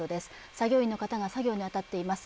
作業員の方が作業に当たっています。